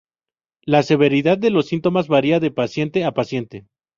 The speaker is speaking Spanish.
La severidad de los síntomas varía de paciente a paciente.